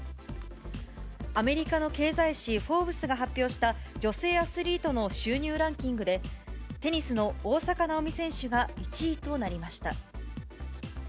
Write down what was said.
アメリカの経済誌、フォーブスが発表した、女性アスリートの収入ランキングで、テニスの大坂なおみ選手が１位となりました。